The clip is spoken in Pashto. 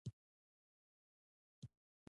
آیا د قران کریم ختم د برکت لپاره نه کیږي؟